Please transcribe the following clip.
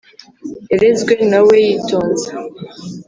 yarezwe na we yitonze.